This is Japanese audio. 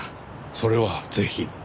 それはぜひ。